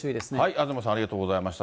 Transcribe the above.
東さん、ありがとうございました。